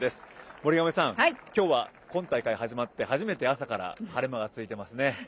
森上さん、今日は今大会始まって初めて朝から晴れ間が続いていますね。